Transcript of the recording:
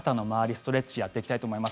ストレッチやっていきたいと思います。